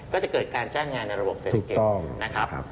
ก็จะเกิดการจ้างงานในระบบเศรษฐกิจนะครับ